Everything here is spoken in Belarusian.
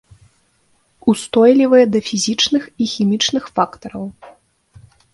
Устойлівыя да фізічных і хімічных фактараў.